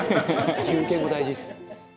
「休憩も大事です」